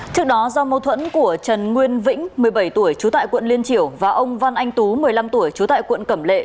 trước đó do mâu thuẫn của trần nguyên vĩnh một mươi bảy tuổi trú tại quận liên triểu và ông văn anh tú một mươi năm tuổi trú tại quận cẩm lệ